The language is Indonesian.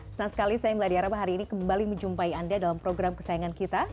senang sekali saya meladia rahma hari ini kembali menjumpai anda dalam program kesayangan kita